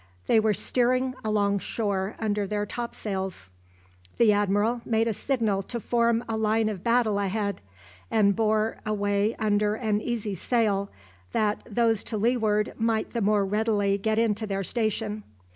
They were steering along shore under their topsails. The admiral made a signal to form a line of battle ahead, and bore away under an easy sail, that those to leeward might the more readily get into their station.